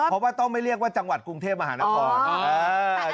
เพราะว่าต้องไม่เรียกว่าจังหวัดกรุงเทพมหานคร